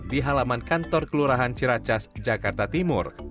di halaman kantor kelurahan ciracas jakarta timur